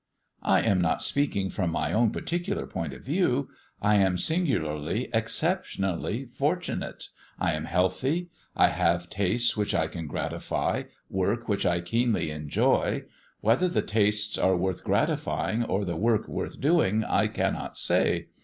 "I am not speaking from my own particular point of view. I am singularly, exceptionally, fortunate, I am healthy; I have tastes which I can gratify, work which I keenly enjoy. Whether the tastes are worth gratifying or the work worth doing I cannot say.